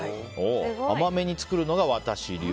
甘めに作るのが私流。